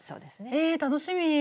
え楽しみ。